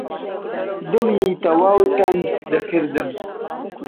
دڵی تەواو تەنگ دەکردم